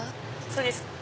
そうです